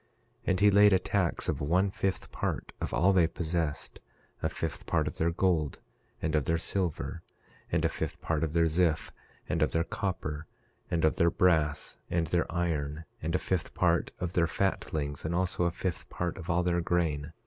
11:3 And he laid a tax of one fifth part of all they possessed, a fifth part of their gold and of their silver, and a fifth part of their ziff, and of their copper, and of their brass and their iron; and a fifth part of their fatlings; and also a fifth part of all their grain.